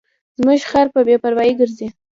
زموږ خر په بې پروایۍ ګرځي.